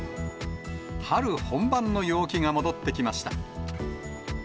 春本番の陽気が戻ってきました。